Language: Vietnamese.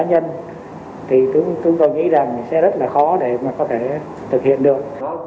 nếu mà chúng ta yêu cầu cá nhân thì tôi nghĩ rằng sẽ rất là khó để mà có thể thực hiện được